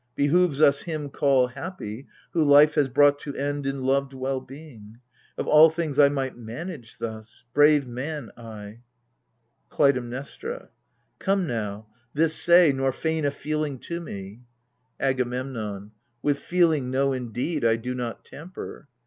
Behoves us him call happy Who life has brought to end in loved well being. If all things I might manage thus — brave man, I ! KLUTAIMNESTRA. Come now, this say, nor feign a feeling to me 1 AGAMEMNOX, 7$ AGAMEMNON. With feeling, know indeed, I do not tamper